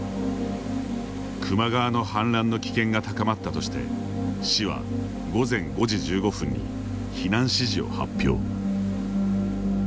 球磨川の氾濫の危険が高まったとして市は午前５時１５分に避難指示を発表。